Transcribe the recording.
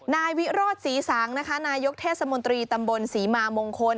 นายวิรอดศรีสางนายกเทศมนตรีตำบลสีมามงคล